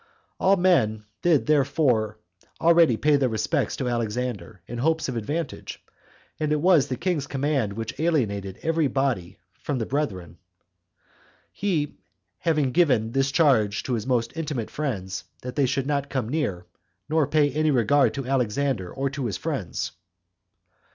All men did therefore already pay their respects to Antipater, in hopes of advantage; and it was the king's command which alienated every body [from the brethren], he having given this charge to his most intimate friends, that they should not come near, nor pay any regard, to Alexander, or to his friends.